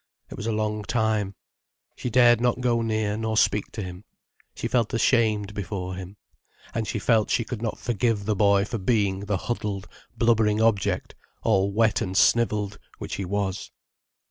It was a long time. She dared not go near, nor speak to him. She felt ashamed before him. And she felt she could not forgive the boy for being the huddled, blubbering object, all wet and snivelled, which he was.